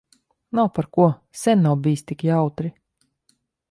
Nav par ko. Sen nav bijis tik jautri.